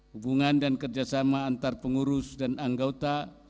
hubungan dan kerjasama antar pengurus dan anggota